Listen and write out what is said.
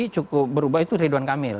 cukup berubah itu ridwan kamil